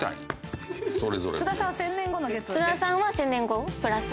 津田さんは１０００年後プラス。